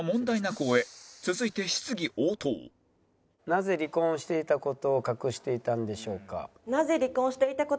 なぜ離婚していた事を隠していたんでしょうか？